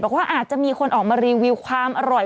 บอกว่าอาจจะมีคนออกมารีวิวความอร่อย